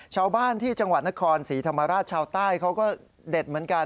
ชาวบ้านที่จังหวัดนครศรีธรรมราชชาวใต้เขาก็เด็ดเหมือนกัน